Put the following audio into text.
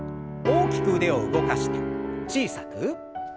大きく腕を動かして小さく。